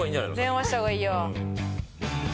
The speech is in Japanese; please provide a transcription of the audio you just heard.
電話した方がいいよ。